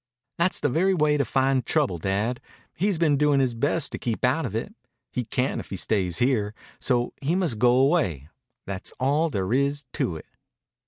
"That's the very way to find trouble, Dad. He's been doing his best to keep out of it. He can't, if he stays here. So he must go away, that's all there is to it."